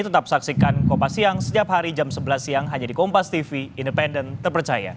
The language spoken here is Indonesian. tetap saksikan kompas siang setiap hari jam sebelas siang hanya di kompas tv independen terpercaya